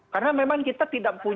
karena memang kita tidak punya